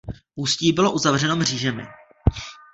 Ústí bylo uzavřeno mřížemi.